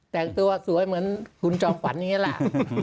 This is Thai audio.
แต่งตัวสวยเหมือนคุณจอมขวัญอย่างนี้แหละ